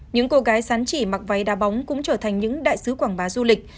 những cô gái sán chỉ mặc váy đa bóng cũng trở thành những đại sứ quảng bá du lịch